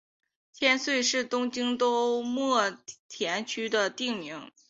千岁是东京都墨田区的町名。